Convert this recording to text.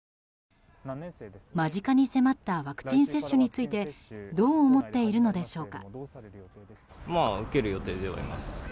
間近に迫ったワクチン接種についてどう思っているのでしょうか。